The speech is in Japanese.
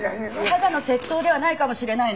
ただの窃盗ではないかもしれないの！